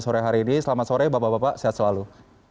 selamat sore bapak bapak sehat selalu